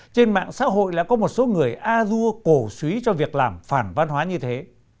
trên mạng xã hội lại có một số người a dua cổ suý cho việc làm phản văn hóa như thế